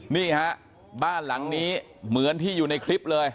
นี่ฮะบ้านหลังนี้เหมือนที่อยู่ในคลิปเลย